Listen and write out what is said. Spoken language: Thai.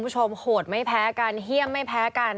โหดไม่แพ้กันเฮี่ยมไม่แพ้กัน